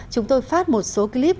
chúng tôi phát một số clip